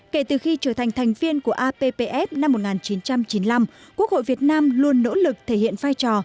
kể từ khi trở thành thành viên của appf năm một nghìn chín trăm chín mươi năm quốc hội việt nam luôn nỗ lực thể hiện vai trò